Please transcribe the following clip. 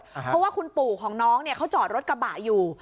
เพราะว่าคุณปู่ของน้องเขาจอดรถกระบะอยู่